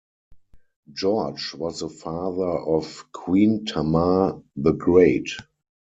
George was the father of Queen Tamar the Great.